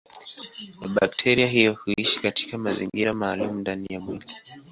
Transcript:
Bakteria hiyo huishi katika mazingira maalumu ndani ya mwili.